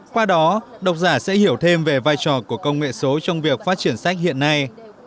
qua đó đọc giả sẽ hiểu thêm về vai trò của công nghệ số trong việc phát triển sách hiện nay